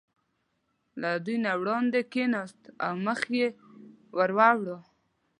له دوی نه وړاندې کېناست او مخ یې ور واړاوه.